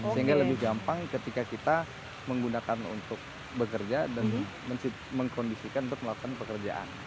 sehingga lebih gampang ketika kita menggunakan untuk bekerja dan mengkondisikan untuk melakukan pekerjaan